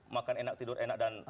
makan enak tidur enak